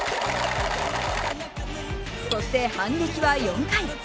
そして反撃は４回。